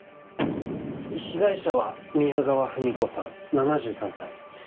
被害者は宮川文子さん７３歳。